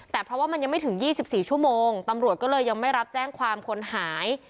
แต่เพราะว่ามันยังไม่ถึง๒๔ชั่วโมงตำรวจก็เลยยังไม่รับแจ้งความคนหาย